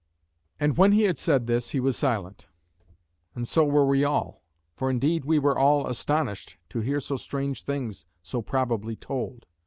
And when he had said this, he was silent; and so were we all. For indeed we were all astonished to hear so strange things so probably told.